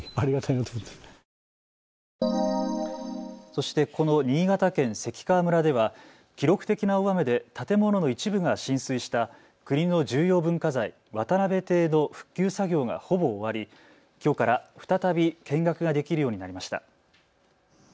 そして、この新潟県関川村では記録的な大雨で建物の一部が浸水した国の重要文化財、渡邉邸の復旧作業がほぼ終わりきょうから再び見学ができるようになりました。